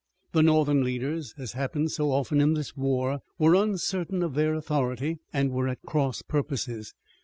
The Northern leaders, as happened so often in this war, were uncertain of their authority, and were at cross purposes.